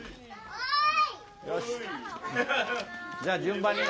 おい。